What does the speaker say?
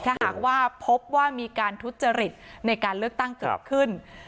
ถ้าหากว่าพบว่ามีการทุจริตในการเลือกตั้งเกิดขึ้น